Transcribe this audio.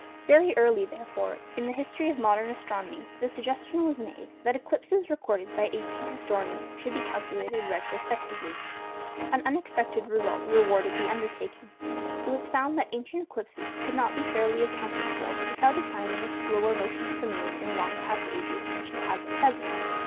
Very early, therefore, in the history of modern astronomy, the suggestion was made, that eclipses recorded by ancient historians should be calculated retrospectively. An unexpected result rewarded the undertaking. It was found that ancient eclipses could not be fairly accounted for without assigning a slower motion to the moon in long past ages than she has at present!